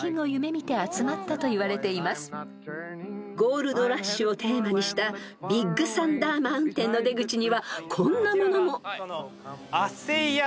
［ゴールドラッシュをテーマにしたビッグサンダー・マウンテンの出口にはこんなものも］